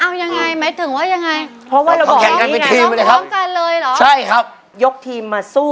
เอายังไงหมายถึงว่ายังไง